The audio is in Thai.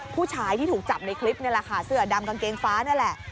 ผู้ชายที่ถูกจับในคลิปนี่แหละค่ะเสื้อดำกางเกงฟ้านี่แหละ